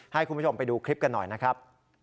ให้คุณผู้ชมไปดูคลิปกันหน่อยนะครับ